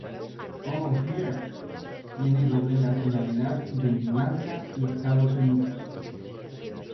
O'Hare tiene doble nacionalidad de Irlanda y Estados Unidos.